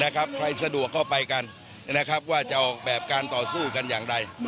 ใครสะดวกก็ไปกันว่าจะออกแบบการต่อสู้กันอย่างใด